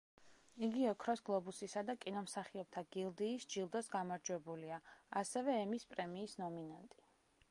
იგი ოქროს გლობუსისა და კინომსახიობთა გილდიის ჯილდოს გამარჯვებულია, ასევე ემის პრემიის ნომინანტი.